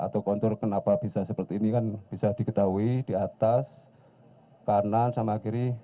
atau kontur kenapa bisa seperti ini kan bisa diketahui di atas kanan sama kiri